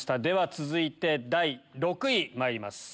続いて第６位まいります。